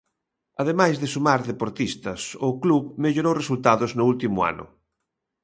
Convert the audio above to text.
Ademais de sumar deportistas o club mellorou resultados no último ano.